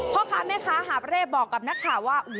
เพราะค่ะแม่ค้าหาประเรบบอกกับนักข่าวว่า